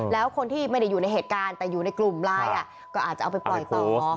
แล้วคนที่ไม่ได้อยู่ในเหตุการณ์แต่อยู่ในกลุ่มไลน์ก็อาจจะเอาไปปล่อยต่อ